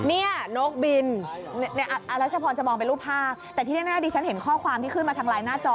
นี่นกบินอรัชพรจะมองเป็นรูปภาพแต่ที่แน่ดิฉันเห็นข้อความที่ขึ้นมาทางไลน์หน้าจอ